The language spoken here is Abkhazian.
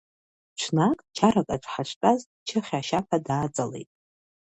Ҽнак чаракаҿ ҳаштәаз, Чыхь ашьаԥа дааҵалеит.